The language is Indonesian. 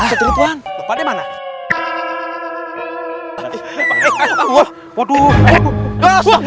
ustadz pak dek nggak apa apa kan